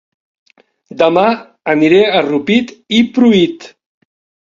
Dema aniré a Rupit i Pruit